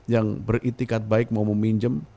yang beritikat baik mau meminjam